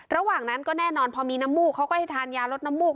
ระหว่างนั้นก็แน่นอนพอมีน้ำมูกเขาก็ให้ทานยาลดน้ำมูก